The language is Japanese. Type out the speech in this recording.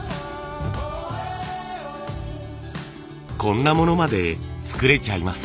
こんなものまで作れちゃいます。